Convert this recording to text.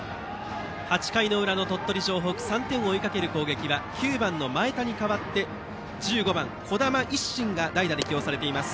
８回の裏の鳥取城北３点を追いかける攻撃は９番、前田に代わって１５番、児玉一心が代打で起用されています。